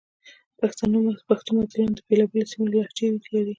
پښتو متلونه د بېلابېلو سیمو لهجې لري